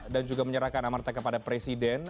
dan juga menyerahkan amartan kepada presiden